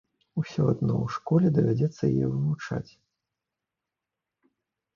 Усё адно ў школе давядзецца яе вывучаць!